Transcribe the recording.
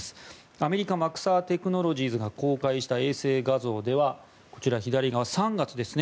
アメリカマクサー・テクノロジーズが公開した衛星画像ではこちら左側、３月ですね。